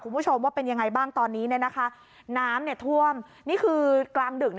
คุณผู้ชมว่าเป็นยังไงบ้างตอนนี้เนี่ยนะคะน้ำเนี่ยท่วมนี่คือกลางดึก